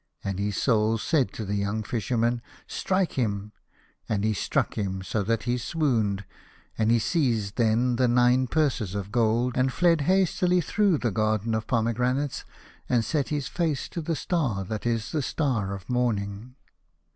" And his Soul said to the young Fisherman, " Strike him," and he struck him so that he swooned, and he seized then the nine purses of gold, and fled hastily through the garden of pomegranates, and set his face to the star that is the star of morning.